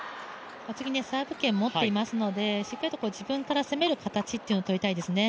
次、サーブ権を持っていますのでしっかりと自分から攻める形をとりたいですね。